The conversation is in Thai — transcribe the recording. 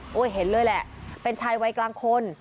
ก็เห็นเลยแหละเป็นชายวัยกลางคน